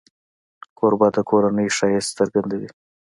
کوربه د کورنۍ ښایست څرګندوي.